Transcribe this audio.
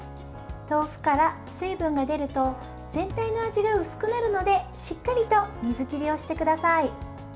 豆腐から水分が出ると全体の味が薄くなるのでしっかりと水切りをしてください。